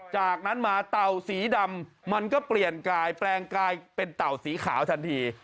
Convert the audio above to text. จากนั้นมาเต่าสีดำมันก็เปลี่ยนกายแปลงกายเป็นเต่าสีขาวทันที